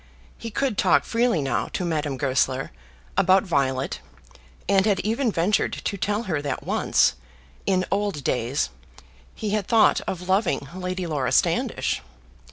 He could talk freely now to Madame Goesler about Violet, and had even ventured to tell her that once, in old days, he had thought of loving Lady Laura Standish.